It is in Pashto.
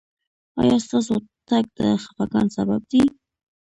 ایا ستاسو تګ د خفګان سبب دی؟